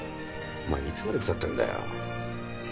お前いつまで腐ってんだよ。